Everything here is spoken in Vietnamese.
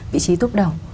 vị trí tốt đầu